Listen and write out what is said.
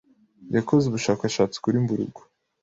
yakoze ubushakashatsi kuri mburugu.